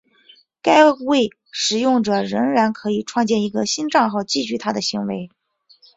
该位使用者仍然可以创建一个新帐号继续他的行为。